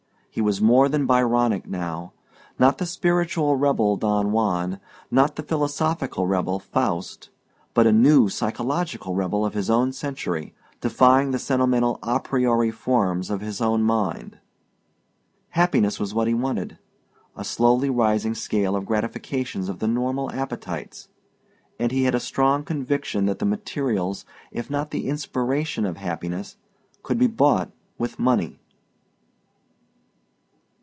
He was more than Byronic now: not the spiritual rebel, Don Juan; not the philosophical rebel, Faust; but a new psychological rebel of his own century defying the sentimental a priori forms of his own mind Happiness was what he wanted a slowly rising scale of gratifications of the normal appetites and he had a strong conviction that the materials, if not the inspiration of happiness, could be bought with money.